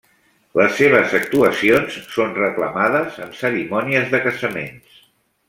Les seves actuacions són reclamades en cerimònies de casaments.